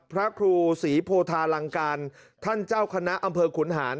พระครูศรีโพธาลังการท่านเจ้าคณะอำเภอขุนหาร